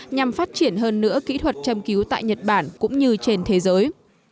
nhằm phát triển hơn nữa kỹ thuật châm cứu tại nhật bản cũng như trên thế giới